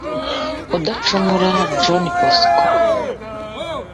Mudacumura John Bosco